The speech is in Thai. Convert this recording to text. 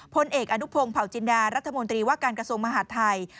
พลเอกอนุพงศ์เผาจินดารัฐมนตรีว่าการกระทรวงมหาดไทย